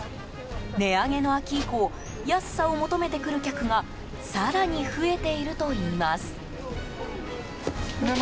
値上げの秋以降安さを求めて来る客が更に増えているといいます。